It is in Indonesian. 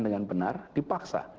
dengan benar dipaksa